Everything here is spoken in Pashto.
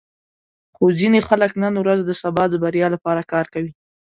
خو ځینې خلک نن ورځ د سبا د بریا لپاره کار کوي.